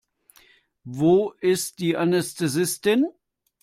Wo ist die Anästhesistin?